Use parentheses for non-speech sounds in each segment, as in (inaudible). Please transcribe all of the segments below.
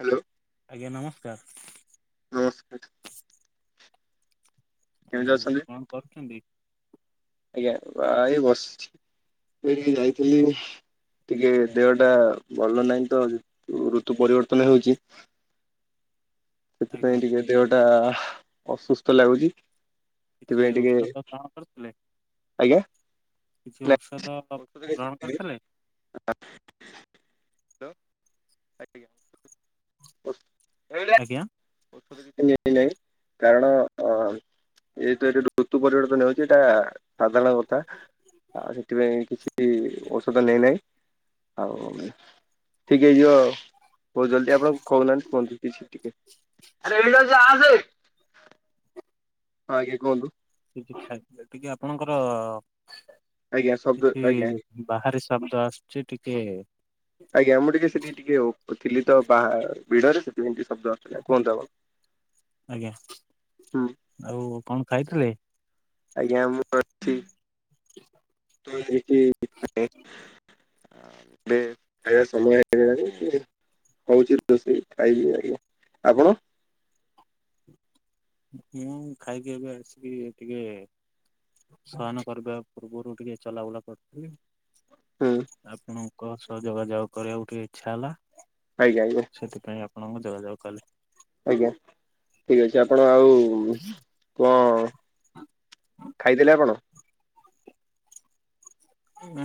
Hello. ଆଜ୍ଞା ନମସ୍କାର। ଆଚ୍ଛା (unintelligible) କେମିତି ଅଛନ୍ତି? କଣ କରୁଛନ୍ତି? ଆଜ୍ଞା ବା ଏଇ ବସିଛି। ମୁଁ ଏଠିକି ଯାଇଥିଲି। ଟିକେ ଦେହ ଟା ଭଲ ନାହିଁ ତ ଋତୁ ପରିବର୍ତ୍ତନ ହେଉଚି। ଆଜ୍ଞା ସେଥିପାଇଁ ଟିକେ ଦେହ ଟା ଅସୁସ୍ଥ ଲାଗୁଚି। କିଛି ହେଥିପାଇଁ ଟିକେ ଔଷଧ ଗ୍ରହଣ କରିଥିଲେ ଆଜ୍ଞା। କିଛି ନା ଔଷଧ ଔଷଧ କିଛି ଗ୍ରହଣ କିଣିବି? କରିଥିଲେ? ଆଜ୍ଞା (unintelligible) (unintelligible) କାରଣ ଅ। ଏଇ ତ ଏଠି ଋତୁ ପରିବର୍ତ୍ତନ ହୋଉଚି ଏଇଟା ସାଧାରଣ କଥା। ଆଉ ସେଥିପାଇଁ କିଛି ଔଷଧ ନେଇନାଇ ଆଉ। ଠିକ୍ ହେଇଯିବ ଆଉ ବହୁ ଜଲ୍ଦି ଆପଣ କହୁନାହାନ୍ତି କୁହନ୍ତୁ କିଛି ଟିକେ। ଆରେ ଏନିବାନ୍ସ ଆସେ। ହଁ ଆଗେ କୁହନ୍ତୁ। ଟିକେ ଆପଣଙ୍କର ଆଜ୍ଞା ଶବ୍ଦ କିଛି ଆଜ୍ଞା ଆଜ୍ଞା ବାହାରେ ଶବ୍ଦ ଆସ୍ଚି ଟିକେ ଆଜ୍ଞା ମୁଁ ଟିକେ ସେଠି ଟିକେ ଅ ଥିଲି ତ ବା ଭିଡ଼ରେ ସେଠି ଏମିତି ଶବ୍ଦ ଆସୁଥିଲା କୁହନ୍ତୁ ଆପଣ। ଆଜ୍ଞା, ହୁଁ ଆଉ କଣ ଖାଇଥିଲେ? ଆଜ୍ଞା ମୁଁ ଅଠି (inaudible) ବେ ଖାଇବା ସମୟ ହେଇଗଲାଣି। ହଉଚି ରୋଷେଇ ଖାଇଲି ଆଜ୍ଞା, ଆପଣ? ମୁଁ ଖାଇକି ଏବେ ଆସିକି ଟିକେ ସୟନ କରିବା ପୂର୍ବରୁ ଟିକେ ଚଲାବୁଲା କରୁଥିଲି। ହଁ। ଆପଣଙ୍କ ସହ ଯୋଗାଯୋଗ କରିବାକୁ ଟିକେ ଇଚ୍ଛା ହେଲା। ଆଜ୍ଞା। ସେଥିପାଇଁ ଆପଣଙ୍କୁ ଯୋଗାଯୋଗ କଲ। ଆଜ୍ଞା ଠିକ୍ ଅଛି ଆପଣ ଆଉ କଅଁ ଖାଇଦେଲେ ଆପଣ?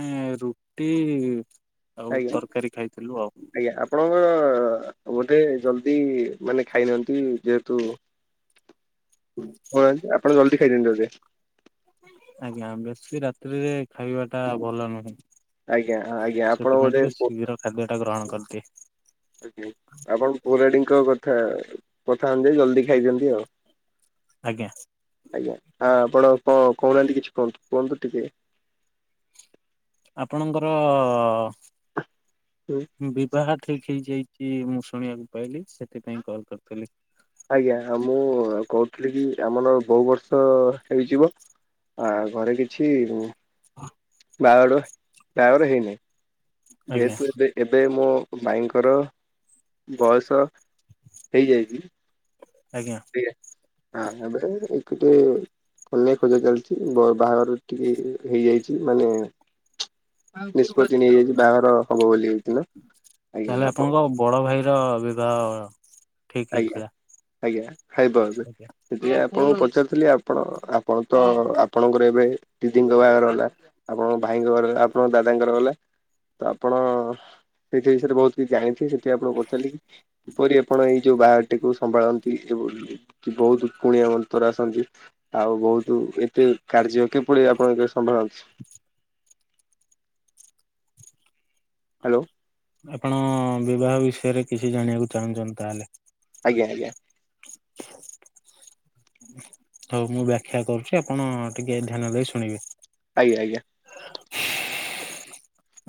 ଏ ରୁଟି ଆଉ ଆଜ୍ଞା ତର୍କାରୀ ଖାଇଥିଲୁ ଆଉ। (inaudible) ଗୋଟେ ଜଲ୍ଦି ମାନେ ଖାଇନାଅନ୍ତି ଯେହେତୁ ହଅନ୍ତି ଆପଣ ଜଲ୍ଦି ଖାଇଦିଅନ୍ତୁ ବୋଧେ। ଆଜ୍ଞା ବେଶୀ ରାତ୍ରିରେ ଖାଇବା ଟା ଭଲ ନୁହଁ। ଆଜ୍ଞା ହଁ ଆଜ୍ଞା ଆପଣ ବୋଧେ ଖାଦ୍ୟଟା ଗ୍ରହଣ କରିଦିଏ। ଆଜ୍ଞା ଆପଣ ପୌରାଡ଼ିଙ୍କ କଥା କଥା ଅନୁଯାଇ ଜଲ୍ଦି ଖାଇଦିଅନ୍ତି ଆଉ? ଆଜ୍ଞା। ଆଜ୍ଞା ଆ ଆପଣ କଣ କହୁନାହାନ୍ତି କିଛି କୁହନ୍ତୁ କୁହନ୍ତୁ ଟିକେ। ଆପଣଙ୍କର ଅ ଉଁ ବିବାହ ଠିକ୍ ହେଇଯାଇଚି ମୁଁ ଶୁଣିବାକୁ ପାଇଲି ସେଥିପାଇଁ କଲ୍ କରିଥିଲି। ଆଜ୍ଞା ମୁଁ କହୁଥିଲି କି ଆମଲ ବହୁ ବର୍ଷ ହେଇଯିବ। ଆ ଘରେ କିଛି ବାହାଡ଼ ବାହାଘର ହେଇନି ଆଜ୍ଞା ଯେହେତୁ ଏବେ। ଏବେ ମୋ ମାଇଙ୍କର ବୟସ ହେଇଯାଇଚି। ଆଜ୍ଞା। ଆ ଏବେ। (unintelligible) କନିଆ ଖୋଜା ଚାଲିଚି, ବ ବାହାଘର ଟିକେ ଇ ହେଇଯାଇଛି ମାନେ ନିଷ୍ପତ୍ତି ନେଇଯାଇଚି ବାହାଘର ହବ ବୋଲି। ହେଇଥିଲା ଆଜ୍ଞା ତାହେଲେ, ଆପଣ ଆପଣଙ୍କ ବଡ ଭାଇ ର ବିବାହ? ଠିକ ଆଜ୍ଞା, ହେଇଥିଲା ଆଜ୍ଞା (unintelligible) ଆଜ୍ଞା। ସେଥିପାଇଁ ଆପଣଙ୍କୁ ପଚାରୁଥିଲି ଆପଣ ଆପଣ ତ ଆପଣଙ୍କର ଏବେ ଦିଦିଙ୍କ ବାହାଘର ହେଲା? ଆପଣଙ୍କ ଭାଇଙ୍କ ଘରେ ଆପଣଙ୍କ ଦାଦାଙ୍କର ହେଲା? ତ ଆପଣ ସେଇ ଜିନିଷ ବିଷୟରେ ବହୁତ କିଛି ଜାଣିଥିବେ, ସେଇଥିପାଇଁ ଆପଣଙ୍କୁ ପଚାରିଲି କିପରି ଆପଣ ଏଇ ଯୋଉ, ବାହାଘରଟିକୁ ସମ୍ଭାଳନ୍ତି, ଏବଂ ବହୁତ କୁଣିଆ ମନ୍ତର ଆସନ୍ତି। ଆଉ ବହୁତ ଏତେ କାର୍ଯ୍ୟ କିଭଳି ଆପଣ ଏତେ ସମ୍ଭାଳନ୍ତି? (inaudible) ହାଲୋ। ଆପଣ, ବିବାହ ବିଷୟରେ କିଛି ଜାଣିବାକୁ ଚାହୁଁଚନ୍ତି? ତାହଲେ ଆଜ୍ଞା, ଆଜ୍ଞା। (inaudible) ହଉ ମୁଁ ବାଖ୍ୟା କରୁଚି, ଆପଣ ଟିକେ ଧ୍ୟାନ ଦେଇ ଶୁଣିବେ। ଆଜ୍ଞା, ଆଜ୍ଞା।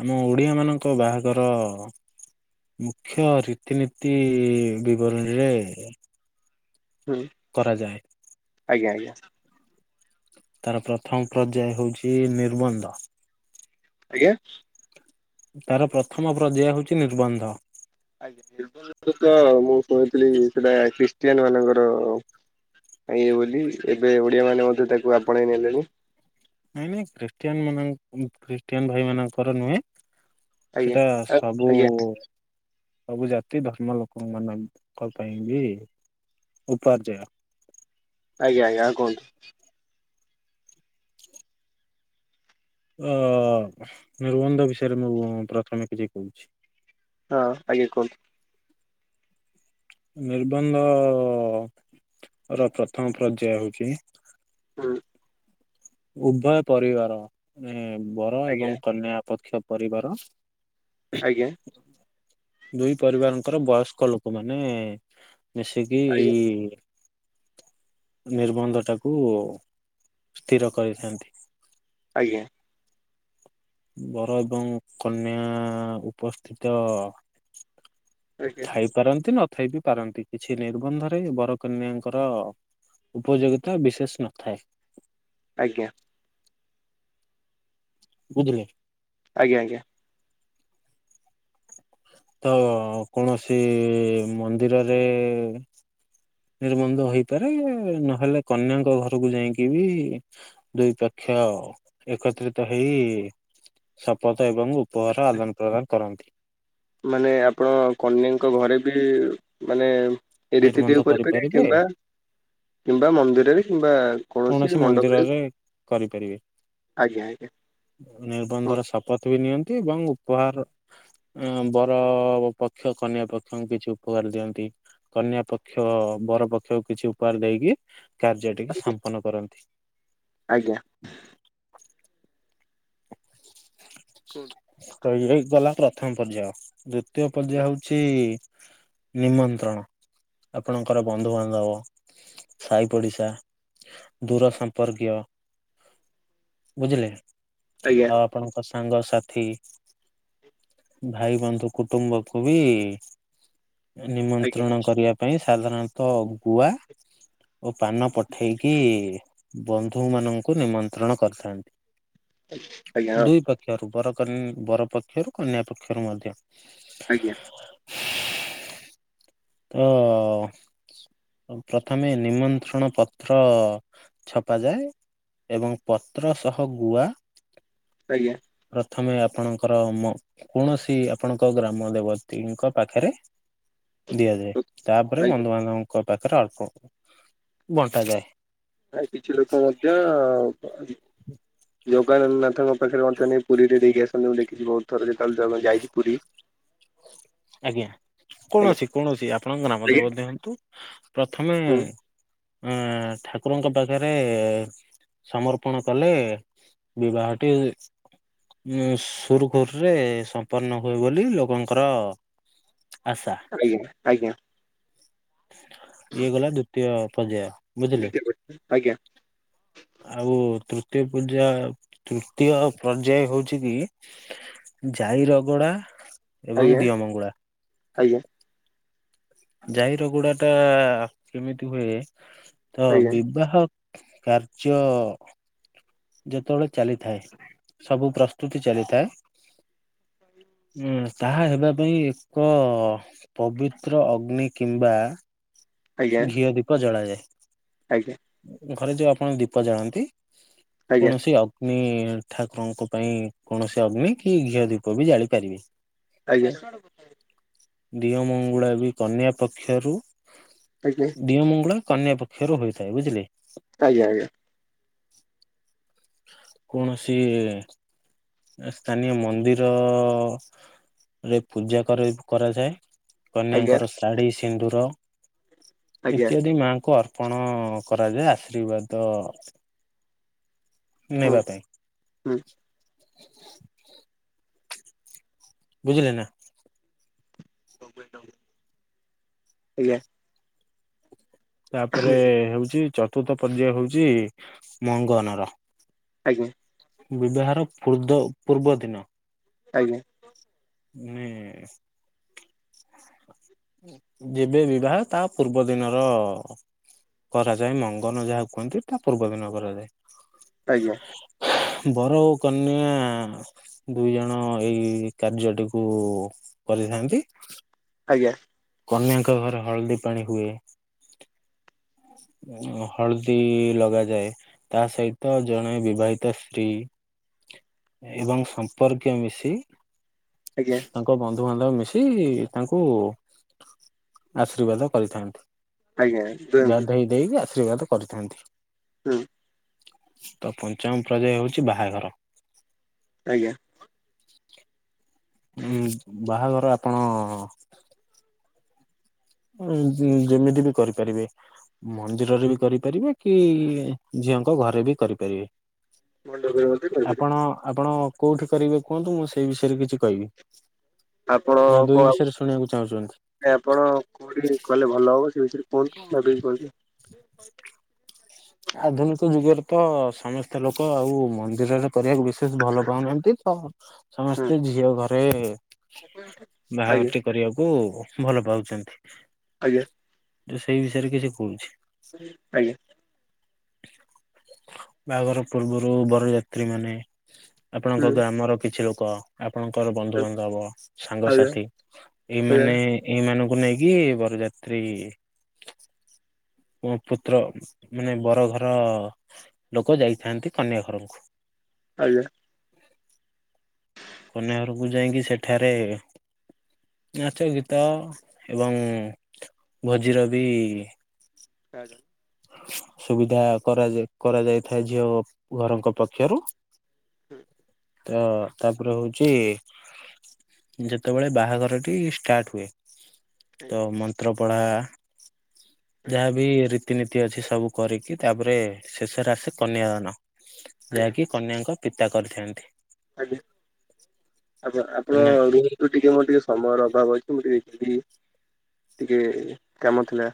ଆମ ଓଡିଆ ମାନଙ୍କ ବାହାଘର ମୁଖ୍ୟ, ରୀତିନୀତି ବିବରଣୀରେ ହୁଁ। କରାଯାଏ। ଆଜ୍ଞା, ଆଜ୍ଞା। ତାର, ପ୍ରଥମ ପର୍ଯ୍ୟାୟ ହେଉଛି ନିର୍ମନ୍ଧ। ଆଜ୍ଞା। ତାର ପ୍ରଥମ ପର୍ଯ୍ୟାୟ ହେଉଛି ର୍ନିବଧ୍ଯ। ଆଜ୍ଞା ନିନ୍ ତ ମୁଁ ଶୁଣିଥିଲି ସେଟା ଖ୍ରୀଷ୍ଟିଆନ ମାନଙ୍କର ଏ ବୋଲି, ଏବେ ଓଡିଆ ମାନେ ମଧ୍ୟ ତାକୁ ଆପଣେଇ ନେଲେଣି? ନାଇଁ, ନାଇଁ ଖ୍ରୀଷ୍ଟିଆନ ମାନ ଖ୍ରୀଷ୍ଟିଆନ ଭାଇ ମାନଙ୍କର ନୁହେଁ ଆଜ୍ଞା। ସେଟା ସବୁ ଆଜ୍ଞା ସବୁ ଜାତି ଧର୍ମ ଲୋକଙ୍କ ମ ପେଇଁ ବି ଉପାର୍ଜୟ। ଆଜ୍ଞା ଆଜ୍ଞା କୁହନ୍ତୁ। ହ (inaudible) ଅ ନିର୍ବନ୍ଧ ବିଷୟରେ, ମୁଁ ପ୍ରଥମେ କିଛି କହୁଛି। ହଁ, ଆଜ୍ଞା କୁହନ୍ତୁ। ନିର୍ବନ୍ଧ, ର ପ୍ରଥମ ପର୍ଯ୍ୟାୟ ହଉଚି ହୁଁ। ଉଭୟ ପରିବାର, ନୁହେଁ ବର ଆଜ୍ଞା ଏବଂ କନ୍ୟା ପକ୍ଷ ପରିବାର ଆଜ୍ଞା। ଦୁଇ ପରିବାରଙ୍କର ବୟସ୍କ ଲୋକ ମାନେ ମିଶିକି ଆଜ୍ଞା। ଇ ନିର୍ବନ୍ଧ ଟାକୁ ସ୍ଥିର କରିଥାନ୍ତି। ଆଜ୍ଞା। ବର ଏବଂ କନ୍ୟା ଉପସ୍ଥିତ ଆଜ୍ଞା। ଥାଇ ପାରନ୍ତି, ନଥାଇ ବିି ପାରନ୍ତି, କିଛି ନିର୍ବନ୍ଧରେ ବରକନ୍ୟାଙ୍କର ଉପଯୋଗିତା, ବିଶେଷ ନଥାଏ। ଆଜ୍ଞା। ବୁଝିଲି। ଆଜ୍ଞା, ଆଜ୍ଞା। ତ, କୌଣସି ମନ୍ଦିରରେ ନିର୍ବନ୍ଧ ହେଇପାରେ ନହେଲେ କନ୍ୟାଙ୍କ ଘରକୁ ଯାଇକି ବି ଦୁଇ ପକ୍ଷ ଏକତ୍ରିତ ହେଇ ଶପଥ ଏବଂ ଉପହାର ଆଦାନ ପ୍ରଦାନ କରନ୍ତି। ମାନେ ଆପଣ କନ୍ୟାଙ୍କ ଘରେ ବି ମାନେ ଏ ରୀତି ନିର୍ବନ୍ଧ ଟ କରିପାରିବ କରିପାରିବେ କିମ୍ବା କିମ୍ବା ମନ୍ଦିରରେ କିମ୍ବା କୌଣସି ମନ୍ଦିରରେ କରିପାରିବେ। ଆଜ୍ଞା ଆଜ୍ଞା କୁହନ୍ତୁ ନିର୍ବନ୍ଧର ଶପଥ ବି ନିଅନ୍ତି ଏବଂ ଉପହାର ଅ ବର ପକ୍ଷ କନ୍ୟା ପକ୍ଷଙ୍କୁ କିଛି ଉପକାର ଦିଅନ୍ତି କନ୍ୟା ପକ୍ଷ ବର ପକ୍ଷକୁ କିଛି ଉପହାର ଦେଇକି କାର୍ଯ୍ୟ ଟିକ ଆଜ୍ଞା ସମ୍ପନ୍ନ କରନ୍ତି ଆଜ୍ଞା। ତ ଇଏ ଗଲା ପ୍ରଥମ ପର୍ଯ୍ୟାୟ ଦ୍ଵିତୀୟ ପର୍ଯ୍ୟାୟ ହଉଛି ନିମନ୍ତ୍ରଣ ଆପଣଙ୍କର ବନ୍ଧୁବାନ୍ଧବ ସାହି ପଡିଶା ଦୂର ସମ୍ପର୍କୀୟ ବୁଝିଲେ ଆଜ୍ଞା ଆଉ ଆପଣଙ୍କ ସାଙ୍ଗସାଥି ଭାଇ ବନ୍ଧୁ କୁଟୁମ୍ବକୁୁ ବି ନିମନ୍ତ୍ରଣ କରିବା ପାଇଁ ସାଧାରଣତଃ ଗୁଆ ଓ ପାନ ପଠେଇକି ବନ୍ଧୁ ମାନଙ୍କୁ ନିମନ୍ତ୍ରଣ କରିଥାନ୍ତି। ଆଜ୍ଞା ହଁ ଦୁଇ ପକ୍ଷରୁ ବର ବର ପକ୍ଷରୁ କନ୍ୟା ପକ୍ଷରୁ ମଧ୍ୟ ଆଜ୍ଞା। ତ ପ୍ରଥମେ ନିମନ୍ତ୍ରଣ ପତ୍ର ଛପାଯାଏ ଏବଂ ପତ୍ର ସହ ଗୁଆ ଆଜ୍ଞା ପ୍ରଥମେ ଆପଣଙ୍କର କୌଣସି ଆପଣଙ୍କ ଗ୍ରାମ ଦେବତୀଙ୍କ ପାଖରେ ଦିଆଯାଏ ତାପରେ ଆଜ୍ଞା ବନ୍ଧୁବାନ୍ଧବଙ୍କ ପାଖରେ ଅଳ୍ପ ବଣ୍ଟାଯାଏ ଆ କିଛି ଲୋକ ମଧ୍ୟ ଜଗାନ୍ନାଥଙ୍କ ପାଖରେ (unintelligible) ପୁରୀରେ ଦେଇକି ଆସନ୍ତି ମୁଁଦେଖିଛି ବହୁତ ଥର ଯେତେବେଳେଁ ଯାଇଛି ପୁରୀ। ଆଜ୍ଞା ଆଜ୍ଞା କୌଣସି କୌଣସି ଆପଣଙ୍କ ଗ୍ରାମ ଦେବତି ହୁଅନ୍ତୁ ପ୍ରଥମେ ହୁଁ ଠାକୁରଙ୍କ ପାଖରେ ସମର୍ପଣ କଲେ ବିବାହଟି ଉଁ ସୁରୁଖୁରୁରେ ସମ୍ପନ୍ନ ହୁଏ ବୋଲି ଲୋକଙ୍କର ଆସା। ଆଜ୍ଞା ଆଜ୍ଞା। ଇଏ ଗଲା ଦ୍ଵିତୀୟ ପର୍ଯ୍ୟାୟ ବୁଝିଲେ ଆଜ୍ଞା ଆଉ ତୃତୀୟ ପୂଜା ତୃତୀୟ ପର୍ଯ୍ୟାୟ ହଉଛି କି ଜାଇରଗଡା ଏବଂ ଦିଅ ମଙ୍ଗୁଳା ଆଜ୍ଞା ଜାଇରଗୁଡାଟା କେମିତି ହୁଏ ତ ଆଜ୍ଞା ବିବାହ କାର୍ଯ୍ୟ ଯେତେବେଳେ ଚାଲିଥାଏ ସବୁ ପ୍ରସ୍ତୁତି ଚାଲିଥାଏ ଉଁ ତାହା ହେବା ପାଇଁ ଏକ ପବିତ୍ର ଅଗ୍ନି କିମ୍ବା ଆଜ୍ଞା ଘିଅ ଦୀପ ଜଳାଯାଏ ଆଜ୍ଞା। ଘରେ ଯୋଉ ଆପଣ ଦୀପ ଜାଳନ୍ତି ଆଜ୍ଞା କୌଣସି ଠାକୁରଙ୍କ ପାଇଁ କୌଣସି ଅଗ୍ନି କି ଘିଅ ଦୀପ ବି ଜାଳି ପାରିବେ। ଆଜ୍ଞା। ଡିଅ ମଙ୍ଗୁଳା ବି କନ୍ୟା ପକ୍ଷରୁ ଆଜ୍ଞା। ଦିଅଁ ମଙ୍ଗୁଳା କନ୍ୟା ପକ୍ଷରୁ ହୋଇଥାଏ ବୁଝିଲେ। ଆଜ୍ଞା ଆଜ୍ଞା। କୌଣସି ସ୍ଥାନୀୟ ମନ୍ଦିର ଅ ଅ ଅ ରେ ପୂଜା କରେ କରାଯାଏ। ଆଜ୍ଞା କନ୍ୟାଙ୍କର ଶାଢ଼ୀ ସିନ୍ଦୁର ଆଜ୍ଞା ଇତ୍ୟାଦି ମାଙ୍କୁ ଅର୍ ପଣ କରାଯାଏ ଆଶ୍ରିବାଦ ହୁଁ ନେବା ପାଇଁ। ହୁଁ। ବୁଝିଲେନା। ଆଜ୍ଞା। ତାପରେ ହଉଚି ଚତୁର୍ଥ ପର୍ଯ୍ୟାୟ ହଉଚି ମଙ୍ଗନର। ଆଜ୍ଞା। ବିବାହର ଫୁର୍ଦ୍ଧ ପୂର୍ବ ଦିନ। ଆଜ୍ଞା। ମେଁ ଯେବେ ବିବାହ ତା ପୂର୍ବ ଦିନର କରାଯାଏ ମଙ୍ଗନ ଯାହାକୁ କୁହନ୍ତି ତା ପୂର୍ବ ଦିନ କରାଯାଏ। ଆଜ୍ଞା। ବର ଓ କନ୍ୟା ଆ ଆ ଦୁଇ ଜଣ ଏଇ କାର୍ଯ୍ୟଟିକୁ କରିଥାନ୍ତି। ଆଜ୍ଞା। କନ୍ୟାଙ୍କ ଘର ହଳଦୀ ପାଣି ହୁଏ। ହଳଦୀ ଲଗାଯାଏ। ତା ସହିତ ଜଣେ ବିବାହିତ ସ୍ତ୍ରୀ ଏବଂ ସମ୍ପର୍କୀୟ ମିଶି ଆଜ୍ଞା। ତାଙ୍କ ବନ୍ଧୁବାନ୍ଧବ ମିଶି ତାଙ୍କୁ ଆଶ୍ରିବାଦ କରିଥାନ୍ତି। ଆଜ୍ଞା। ଦିଅନ୍ତୁ ଗାଧେଇ ଦେଇକି ଆଶ୍ରିବାଦ କରିଥାନ୍ତି। ହୁଁ। ତ ପଞ୍ଚମ ପ୍ରର୍ଯ୍ୟାୟ ହଉଚି ବାହାଘର। ଆଜ୍ଞା। ମୁଁ ବାହାଘର ଆପଣ ଉଁ ଜୁଁ ଯେମିତି ବି କରିପାରିବେ। ମନ୍ଦିରରେ ବି କରିପାରିବେ କି ଇ ଇ ଝିଅଙ୍କ ଘରେ ବି କରିପାରିବେ। ମଣ୍ଡପରେ ମତେ କରିପାରିବେ ଆପଣ ଆପଣ କୋଉଠି କରିବେ କୁହନ୍ତୁ ମୁଁ ସେଇ ବିଷୟରେ କିଛି କହିବି। ଆପଣ ନା ଦୁଇ କ ଆଉ ବିଷୟରେ ଶୁଣିବାକୁ ଚାହୁଁଛନ୍ତି ଏ ଆପଣ କୋଉଠି କଲେ ଭଲ ହବ ସେ ବିଷୟରେ କୁହନ୍ତୁ ମୁଁ ଭାବିକି କହିବି ଆ ଆଧୁନିକ ଯୁଗରେ ତ ସମସ୍ତ ଲୋକ ଆଉ ମନ୍ଦିରର କରିବାକୁ ବିଶେଷ ଭଲ ପାଉନାହାନ୍ତି ତ ହୁଁ ସମସ୍ତେ ଝିଅ ଘରେ ଏ ଏ ଆଜ୍ଞା ବାହାଘରଟି କରିବାକୁ ଭଲ ପାଉଚନ୍ତି। ଆଜ୍ଞା। ତ ସେଇ ବିଷୟରେ କିଛି କହୁଚି। ଆଜ୍ଞା। ବାହାଘର ପୂର୍ବରୁ ବର ଯାତ୍ରୀ ମାନେ ଆପଣଙ୍କ ହୁଁ ଗ୍ରାମର କିଛି ଲୋକ ଆପଣଙ୍କର ବନ୍ଧୁବାନ୍ଧବ ଆଜ୍ଞା ସାଙ୍ଗସାଥି ଏଇମାନେ ଆଜ୍ଞା ଏଇମାନଙ୍କୁ ନେଇକି ବରଯାତ୍ରୀ ଓଁ ପୁତ୍ର ମାନେ ବର ଘର ଲୋକ ଯାଇଥାନ୍ତି କନ୍ୟା ଘରକୁ ଆଜ୍ଞା। କନ୍ୟାଘରୁକୁ ଯାଇଁକି ସେଠାରେ ନାଚ ଗୀତ ଏବଂ ଭୋଜିର ବି ଆଇ ସୁବିଧା କରାଯାଏ କରାଯାଇଥାଏ ଝିଅ ଘରଙ୍କ ପକ୍ଷରୁ ହଁ। ତ ତାପରେ ହଉଛି ଯେତବେଳେ ବାହାଘରଟି ଷ୍ଟାର୍ଟ୍ ହୁଏ ତ ମନ୍ତ୍ର ପଢା ଯାହାବି ରି ରୀତିନୀତି ଅଛି ସବୁ କରିକି ତାପରେ ଶେଷରେ ଆସେ କନ୍ୟାଦାନ ଯାହାକି କନ୍ୟାଙ୍କ ପିତା କରିଥାନ୍ତି। ଆଜ୍ଞା ଆଜ୍ଞା ଆପଣ କନ୍ୟା (unintelligible) ଯୋଉ ଟିକେ ମୋର ଟିକେ ସମୟର ଅଭାବ ଅଛି ମୁଁ ଟିକେ ଫ୍ରୀ ଟିକେ କାମ ଥିଲା।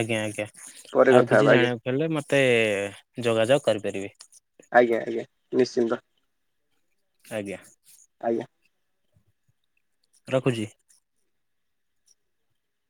ଆଜ୍ଞା ଆଜ୍ଞା ପରେ ଆଉ କଥା କିଛି ହବା ଆଜ୍ଞା ଜାଣିବାକୁ ହେଲେ ମତେ ଯୋଗାଯୋଗ କରିପାରିବେ। ଆଜ୍ଞା ଆଜ୍ଞା ନିଶ୍ଚିନ୍ତ। ଆଜ୍ଞା। ଆଜ୍ଞା। ରଖୁଚି।